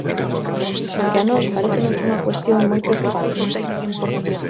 Porque a nós parécenos unha cuestión moi preocupante.